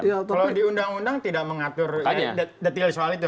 kalau di undang undang tidak mengatur detail soal itu